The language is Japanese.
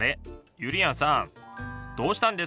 ゆりやんさんどうしたんですか？